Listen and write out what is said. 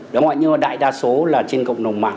nhưng mà đại đa số là trên cộng đồng mạng